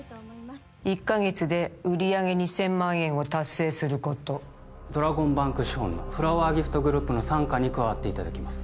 １カ月で売上２０００万円を達成することドラゴンバンク資本のフラワーギフトグループの傘下に加わっていただきます